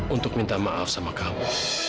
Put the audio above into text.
untuk minta maaf sama kamu